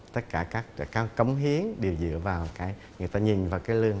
tất cả các cống hiến đều dựa vào cái người ta nhìn vào cái lương